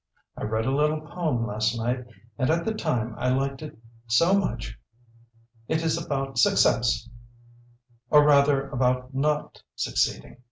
I read a little poem last night, and at the time I liked it so much. It is about success, or rather about not succeeding.